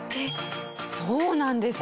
そうなんです。